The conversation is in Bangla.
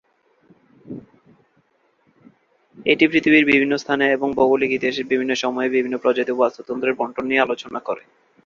এটি পৃথিবীর বিভিন্ন স্থানে এবং ভৌগোলিক ইতিহাসের বিভিন্ন সময়ে বিভিন্ন প্রজাতি ও বাস্তুতন্ত্রের বণ্টন নিয়ে আলোচনা করে।